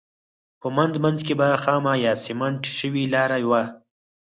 په منځ منځ کې به خامه یا سمنټ شوې لاره وه.